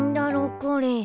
これ。